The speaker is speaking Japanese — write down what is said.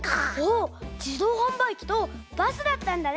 じどうはんばいきとバスだったんだね。